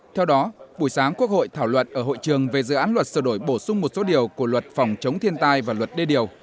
theo đó buổi sáng quốc hội thảo luận ở hội trường về dự án luật sửa đổi bổ sung một số điều của luật phòng chống thiên tai và luật đê điều